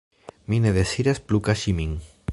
Mi ne deziras plu kaŝi min.